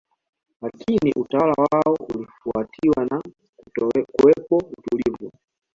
Lakini utawala wao ulifuatiwa na kutokuwepo utulivu